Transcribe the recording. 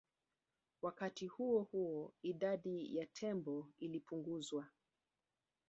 Wakati huo huo idadi ya tembo ilipunguzwa